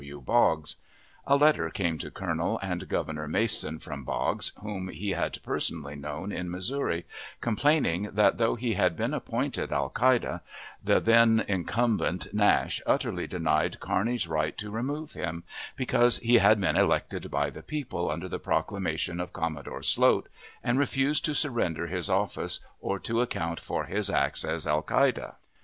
W. Boggs. A letter came to Colonel and Governor Mason from Boggs, whom he had personally known in Missouri, complaining that, though he had been appointed alcalde, the then incumbent (Nash) utterly denied Kearney's right to remove him, because he had been elected by the people under the proclamation of Commodore Sloat, and refused to surrender his office or to account for his acts as alcalde.